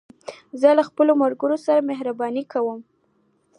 زه له خپلو ملګرو سره مهربانې کوم.